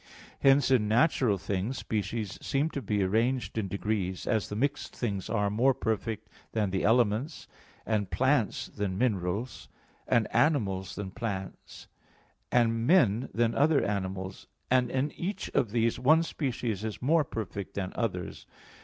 Hence in natural things species seem to be arranged in degrees; as the mixed things are more perfect than the elements, and plants than minerals, and animals than plants, and men than other animals; and in each of these one species is more perfect than others.